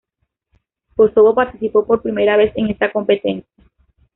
Kosovo participó por primera vez en esta competencia.